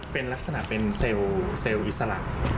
เป็นลักษณะเป็นเซลล์อิสระ